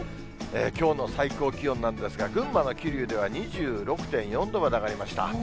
きょうの最高気温なんですが、群馬の桐生では２６．４度まで上がりました。